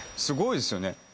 すごいですよね。